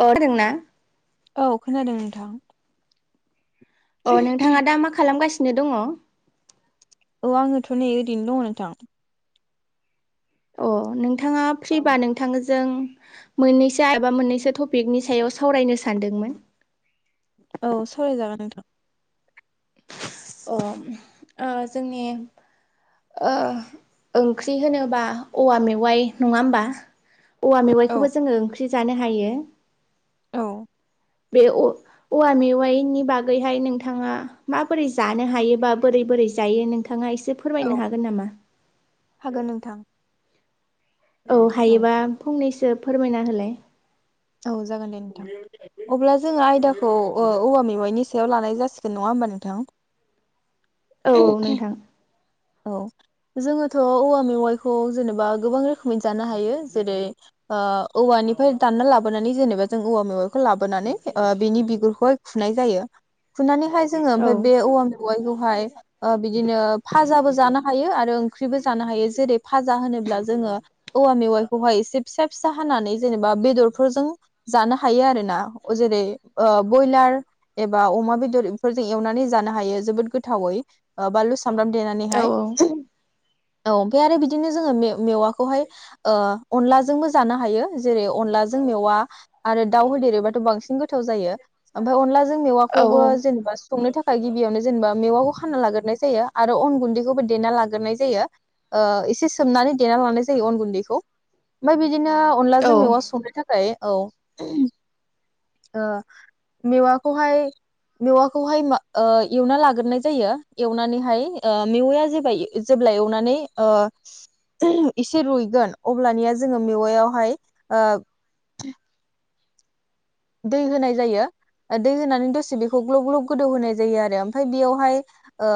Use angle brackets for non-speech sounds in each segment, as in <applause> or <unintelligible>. अ दोंना औ खोनादों नोंथां अ नोंथाङा दा मा खालामगासिनो नो दङ औ आङोथ' नै ओरैनो दं नोंथां अ नों थाङा फ्रिबा नोंथाङा जों मोननैसो एबा मोननैसो टपिकनि सायाव सावरायनो सानदोंमोन औ सावरायजागोन नोंथां अ ओ जोंनि ओ ओंख्रि होनोबा औवा मेवाइ नङा होमबा औवा औ मेवाइखौबो जोङो जानो हायो औ बे अ औवा मेवाइनि बागैहाय नों थाङा माबोरै जानो हायोबा बोरै बोरै जायो नोंथाङा एसे फोरमायनो हागोन नामा? हागोन नोंथां। औ हायोबा फंनैसो फोरमायना होलाय। <unintelligible> औ जागोन दे नोंथां अब्ला जोङो आयदाखौ औवा मैवाइनि सायाव लानाय जासिगोन नङा होमबा नोंथां। औ औ नोंथां <unintelligible> औ जोङोथ' औवा मेवाइखौ जेनेबा गोबां रोखोमै जानो हायो जेरै ओ औवानिफ्राय दानना लाबो बोनानै जेनेबा जों औवा मेवाइखौ लाबोनानै ओ बिनि बिगुरखौ खुनाय जायो खुनानै हाय। जोङो औ ओमफाय बे औवा मेवाइखौहाय। ओ बिदिनो फाजाबो जानो हायो आरो ओंख्रिबो जानो हायो जेरै फाजा होनोब्ला जोङो औवा मेवाइखौहाय एसे फिसा फिसा हानानै जेनेबा बेदर। फोरजों जानो हायो आरो ना जेरै ओ बयलार एबा अमा बेदर इफोरजों एवनानै जानो हायो जोबोद गोथावै ओ बानलु सि सामब्राम देनानैहाय। औ औ औ ओमफाय आरो बिदिनो जोङो मेवाखौहाय अनलाजोंबो जानो हायो जेरै अनलाजों। जों मेवा आरो दाव होदेरोबा थ' बांसिन गोथाव जायो ओमफाय अनला जों जों औ मेवाखौबो जेनेबा। संनो थाखाय गिबियावनो जेनेबा मेवाखौ खाना लाग्रोनाय जायो आरो अन गुन्दैखौबो देना लाग्रोनाय जायो ओ इसे सोमनानै देना लानाय जायो अन गुन्दैखौ ओमफ्राय बिदि बिदिनो अनलाजों मेवा संनो थाखाय। औ ओ मेवाखोहाय मेवाखौहाय एवना लाग्रोनाय जायो एवनानैहाय ओ मेवाया जे जेब्ला एवनानै ओ इसे रुइगोन अब्लानिया जोङो मेवायावहाय ओ। द <unintelligible> दै होनाय जायो दै होनानै दसे बेखौ ग्लब ग्लब गोदौ होनाय जायो आरो ओमफाय बेयावहाय ओ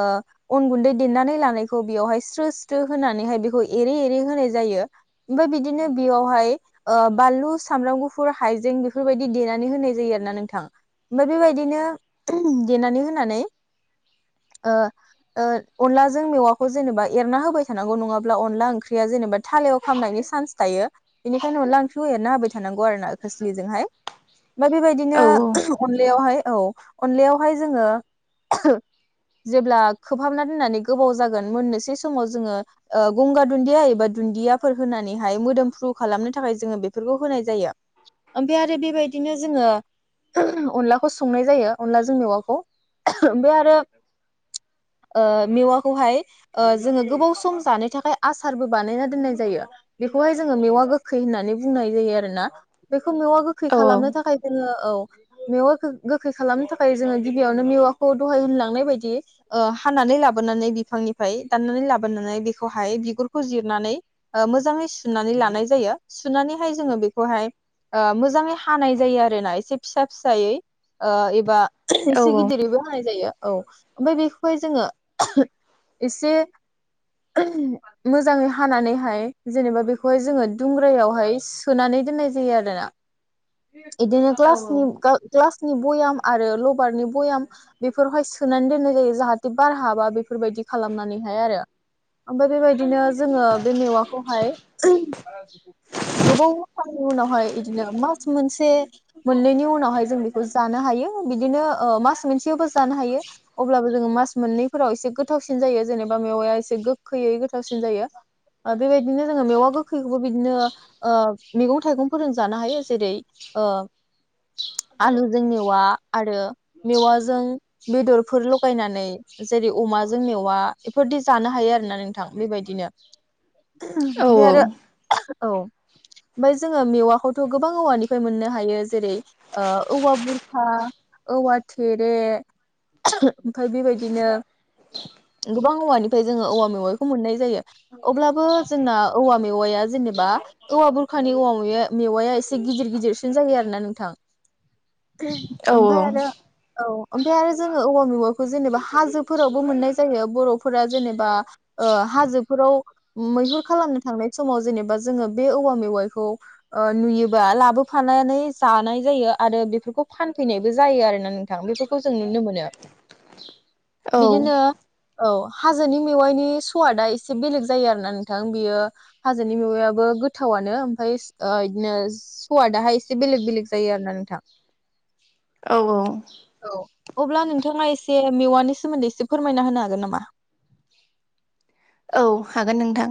अन गुन्दै देनानै लानायखौ बेयावहाय स्रो स्रो होनानैहाय बेखौ एरै एरै होनाय जायो ओमफाय बिदिनो बेयावहाय ओ बानलु सामब्राम गुफुर हाइजें बेफोरबायदि। बि देनानै होनाय जायो आरो ना नोंथां ओमफ्राय बेबायदिनो देनानै होनानै ओ ओ अनलाजों मेवाखौ जेनेबा एरना होबाय थानांगौ नङाब्ला अनला ओंख्रिया जेनेबा थालायाव खामनायनि सान्स थायो बेनिखायनो अनला ओंख्रिखौ एरना होबाय थानांगौ आरो ना खोस्लिजोंहाय। ओमफाय औ बेबायदिनो अनलायावहाय। औ अनलायावहाय जोङो जेब्ला खोबहाबना दोननानै गोबाव जागोन मोननोसै समाव जोङो ओ गंगार दुन्दिया एबा दुन्दियाफोर होनानैहाय मोदोमफ्रु खालामनो थाखाय जोङो बेफोरखौ होनाय जायो ओमफाय आरो बेबाय बिदिनो जोङो अनलाखौ संनाय जायो अनलाजों मेवाखौ ओमफाय आरो ओ मेवाखौहाय ओ जोङो गोबाव सम जानो थाखाय आसारबो बानायना दोननाय जायो बेखौहाय जोङो मेवा गोखै होननानै बुंनाय जायो आरो ना बेखौ मेवा गोखै। औ खालामनो थाखाय जोङो औ। मेवाखो गोखै खालामनो थाखाय जोङो गिबियावनो मेवाखौ दहाय होनलांनाय बायदि ओ हानानै लाबोनानै बिफांनिफ्राय दाननानै लाबोनानै बेखौहाय बिगुरखौ जिरनानै मोजाङै सुनानै लानाय जायो सुनानैहाय जोङो बेखौहाय ओ मोजाङै। हानाय जायो आरो ना एसे फिसा फिसायै ओ एबा। औ एसे गिदिरैबो हानाय जायो। औ ओमफाय बेखौहाय जोङो इसे मोजाङै हानानैहाय जेनेबा बेखौहाय जोङो दुंग्रायावहाय सोनानै दोननाय जायो आरोना। दे <unintelligible> इदिनो क्लास नि <unintelligible> क्ला नि बयाम आरो लबारनि भयाम बेफोरावहाय सोनानै दोननाय जायो जाहाथे बार हाबा बेफोरबायदि खालामनानैहाय आरो ओमफाय बेबायदिनो जोङो बे मेवाखौहाय गोबावसाननि उनावहाय इदिनो मा मास मोनसे मोननैनि उनावहाय जों बेखौ जानो हायो बिदिनो ओ मास मोनसेयावबो जानो हायो अब्लाबो जोङो मास मोननैफोराव एसे गोथावसिन जायो जेनेबा मेवाया एसे गोखैयै गोथावसिन जायो बेबायदिनो जोङो मेवा गोखैखौबो बिदिनो ओ मैगं थाइगंफोरजों जानो हायो। जेरै ओ आलुजों मेवा आरो मेवाजों बेदरफोर लगायनानै जेरै अमाजों मेवा इफोरदि जानो हायो आरो ना नोंथां बेबायदिनो। औ बे आरो। औ ओमफाय जोङो मेवाखौथ' गोबां औवानिफ्राय मोननो हायो जेरै ओ औवा बुरखा, औवा थेरे, <unintelligible> ओमफाय बेबायदिनो गोबां औवानिफ्राय जोङो औवा मेवाइखौ मोननाय जायो अब्लाबो जोंना औवा मेवाया जेनेबा औवा बुरखानि औवा मेवा मेवाया एसे इसे गिदिर गिदिरसिन जायो आरो ना नोंथां। <unintelligible> औ ओमफाय आरो औ। ओमफाय आरो जोङो औवा मेवाइखौ जेनेबा हाजोफोरावबो मोननाय जायो बर'फोरा जेनेबा ओ हाजोफोराव मैहुर खालामनो थांनाय समाव जेनेबा जोङो बे औवा मेवाइखौ ओ नुयो बा लाबोफानानै जानाय जायो आरो बेफोरखौ फानफैनायबो जायो आरोना नोंथां बेफोरखौ जों नुनो मोनो। बिदिनो औ हाजोनि मेवाइनि सवादा एसे बेलेग जायो आरो ना नोंथां बेयो हाजोनि मेवायाबो गोथावानो ओमफाय ओ इदिनो सवादाहाय एसे बेलेग बेलेग जायो आरो ना नोंथां। औ औ। औ अब्ला नोंथाङा एसे मेवानि सोमोन्दै एसे फोरमायना होनो हागोन नामा? औ हागोन नोंथां।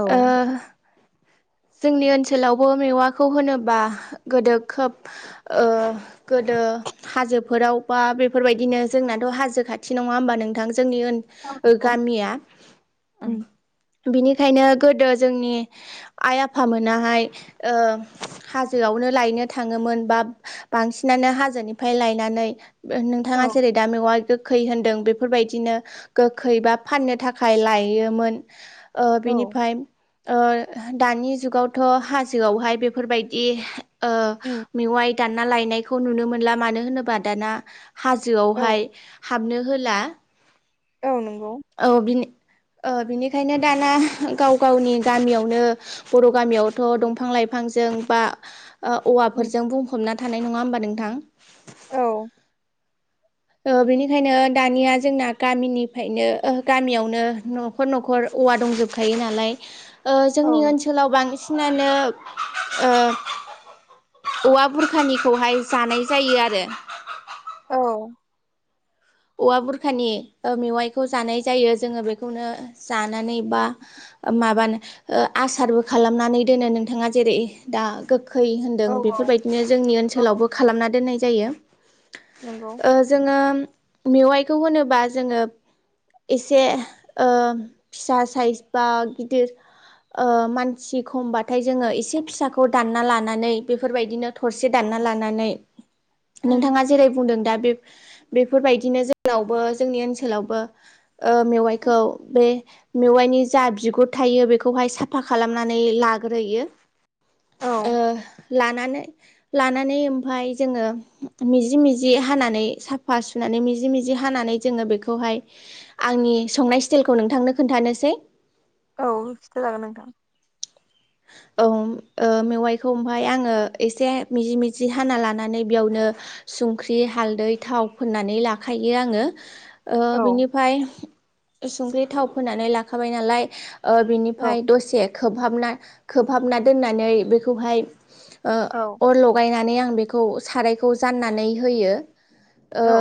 औ ओ दे जोंनि ओनसोलावबो मेवाखौ होनोबा गोदो खोब ओ गोदो हाजोफोराव बा बेफोरबायदिनो जोंनाथ' हाजो खाथि नङा होमबा नोंथां जोंनि ओन ओ गामिया उम। बिनिखायनो गोदो जोंनि आइ आफामोनाहाय ओ हाजोआवनो लायनो थाङोमोन बा बांसिनानो हाजोनिफ्राय लायनानै <unintelligible> नोंथाङा औ जेरै दा मेवाइ गो खै होनदों बेफोरबायदिनो गोखै बा फाननो थाखाय लायो मोन ओ बिनिफाय ओ दानि जुगावथ' हाजोआवहाय बेफोरबायदि ओ उम मेवाइ दानना लायनायखौ नुनो मोनला मानो होनोबा दाना औ हाजोआवहाय हा हाबनो होला। औ नों औ बिनि ओ बिनिखायनो दाना गाव गावनि गामियावनो बर' गामियावथ' दंफां लाइफांजों बा ओ उम औवाफोरजों बुंफबना थानाय नङा होमबा नोंथां? औ। ओ बेनिखायनो दानिया जोंना गामिनिफ्रायनो ओ गामियावनो न'खर न'खर औवा दंजोबखायो नालाय ओ औ जोंनि नंगौ ओनसोलाव बांसिन सिनानो ओ औवा बुरखानिखौहाय जानाय जायो आरो। औ। औवा बुरखानि ओ मेवाइखौ जानाय जायो जोङो बेखौनो जानानै बा माबानो ओ आसारबो खालामनानै दोनो नोंथाङा जेरै दा गो खै होन्दों औ औ बेफोरबायदिनो जोंनि औ ओनसोलावबो खालामना दोननाय जायो। नंगौ ओ जोङो मेवाइखौ होनोबा जोङो एसे फिसा साइज बा गिदिर मानसि खमबाथाय जोङो एसे फिसाखौ दानना लानानै बेफोरबायदिनो थरसे दानना लानानै उम नोंथाङा जेरै बुंदों दा बेफ बेफोरबायायदि बिदिनो जोंनावबो जोंनि ओनसोलावबो ओ उम मेवाइखौ बे मेवाइनि जा बिगुर थायो बेखौहाय साफा खालामनानै लाग्रोयो औ ओ लानानै ओमफाय जोङो मिजि मिजि हानानै साफा सुनानै मि जि मिजि हानानै जोङो बेखौहाय आंनि संनाय स्टाइलखौ नोंथांनो खि्थानोसै औ खिथा जागोन नोंथां औ ओ मेवाइखौ ओमाय आङो एसे मिजि मिजि हाना लानानै बेयावनो संख्रि हालदै थाव फोननानै लाखायो आङो औ बिनिफ्राय संख्रि थाव फोनानै लाखाबाय नालाय औ बिनिफ्राय दसे खोबहाबना खोबहाबना दोननानै बेखौहाय औ ओ अर लगायनानै आं आं बेखौ सारायखौ जाननानै होयो ओ औ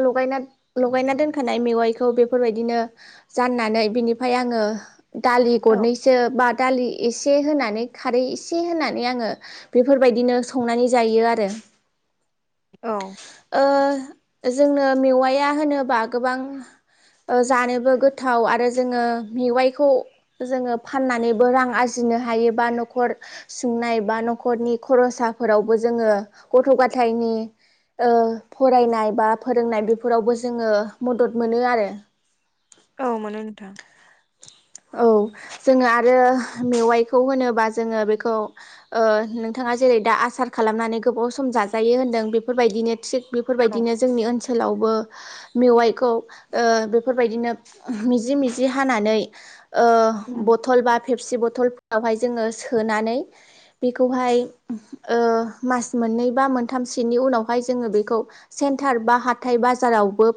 ल लगायना लगायना दोनखानाय मेवाइखौ बेफोरबायदिनो जाननानै बिनिफ्राय आङो दालि औ गरनैसो बा दालि एसे होनानै खारै एसे होनानै आङो बेफोरबायदिनो संनानै जायो आरो औ ओ जोंनो मेवआ होनोबा गोबां जानोबो गोथाव आरो जोङो मेवाइखौ जोङो फाननानैबो रां आरजि फजनो हायो बा न'खर सुंनाय बा न'खरनि खर'साफोरावबो जोङो गथ' गथायनि फरायनाय बा फोरोंनाय बेफोरावबो जोङो मदद मोनो आरो औ मोनो नोंथां औ जोङो आरो मेवाइखौ होनोबा जोङो बेखौ नोंथाङा जेरै दा आसार खालामनानै गोबाव सम जाजायो होनदों बेफोरबायदिनो थिग औ बेफोरबायदिनो जोंनि ओनसोलावबो मेवाइखौ बेफोरबायदिनो मिजि मिजि हानानै <unintelligible> ओ उम बथल बा फेबसि बथल हाय जोङ सोनानै बेखौहाय ओ मास मोननै बा मोनथामनि उनावहाय ज सेन्टार बा हाथथाय बाजाराव जज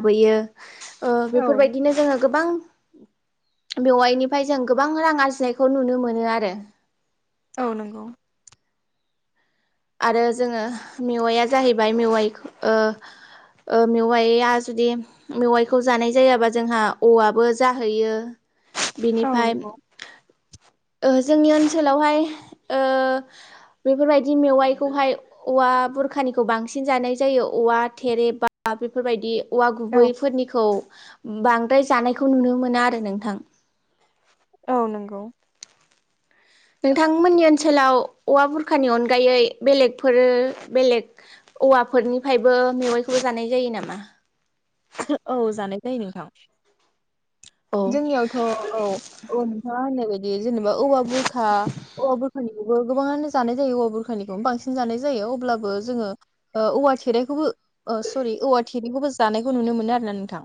खुबैयो ओ बेफोरबायदिनो जोङो गोबां बेवायनिफ्राय जों गोबां रां आरजिनायखौ नुनो मोनो आरो औ नंगौ आरो जोंङो मेवआ जाहैबाय मेवाइ मेवाइआ जुदि मेवाइखौ जानाय जायाबा जोंहा औआबो जाहैयो औ बेनिफ्राय नंगौ जोंनि ओनसोलावहाय बेफोरबायदि मेवाइखौहाय औवा बुरखानिखौ बांसिन जानाय जायो औवा थेरे बा बेफोरबायदि औवा औ गुबैफोरनिखौ बांद्राय जानायखौ नुनो मोना आरो नोंथां औ नंगौ नोंथांमोननि ओनसोलाव औवा बुरखानि अनगायै बेलेगफोर बेलेग औवाफोरनिफ्रायबो मेवाइखौबो जानाय जायो नामा यै नोंथां औ जोंनियावथ' औ औ नोंथांङा होनो बे जेनेबा औ बुर औवाुरानिखौबो गोबांङानो जानाय जायो औवा बुरखानिखौ बांसिन जानाय जायो अबो जो औवाेरायखौबो स औवा थेरैखौबो जानाय बेखौ नुनो मोनो आरोना नोंथां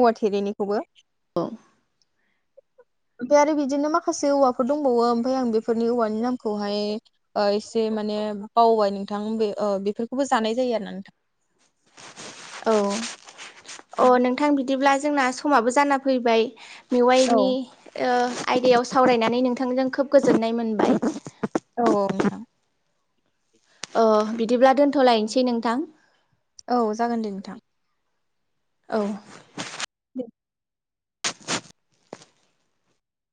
औवा थेरेनिखौबो औ ओमफफ्राय आरो बिदिनो माखासे औवाफोर दंबावो ओमाय आं बेफोरनि औवानि नामखौहाय एसे माने बावबाय नोंथां बेफोरखौबो जानाय जायो आरो ना नोंथां <unintelligible> अ नोंथां बिदिब्ला जोंना समाबो जाना फैबाय औ मेवाइनि आयदायाव सावरायनानै नोंथांजों खोब गोजोननाय मोनबाय औ अ बिदिब्ला दोनथ'लायनोसै नोंथां औ जागोन दे नोंथां औ <unintelligible>